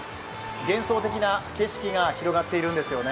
幻想的な景色が広がっているんですよね。